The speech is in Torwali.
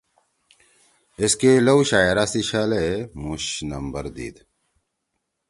ایسکے لؤ شاعرا سی چھلے مُوش نمبر دیِد